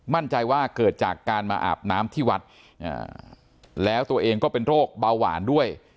มั่นใจว่าเกิดจากการมาอาบน้ำที่วัดแล้วตัวเองก็เป็นโรคเบาหวานด้วย